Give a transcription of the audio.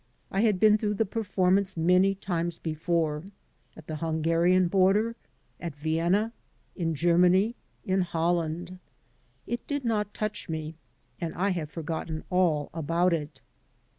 I had been through the perf pnnance many times before — ^at the Hungarian border, at Vienna, in Germany, in HoUand. It did not touch me, and I have forgotten all about it.